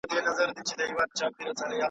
چي خمار ومه راغلی میخانه هغسي نه ده .